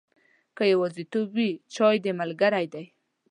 که یوازیتوب وي، چای دې ملګری دی.